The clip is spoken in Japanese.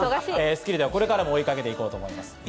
『スッキリ』ではこれからも追いかけて行こうと思います。